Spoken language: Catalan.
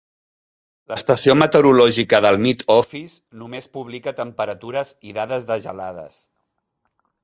L'estació meteorològica del Met Office només publica temperatures i dades de gelades.